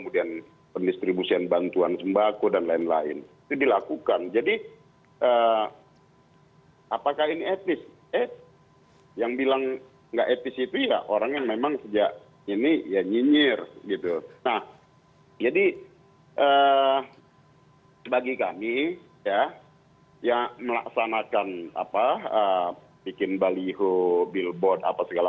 dan tentu juga masyarakat luas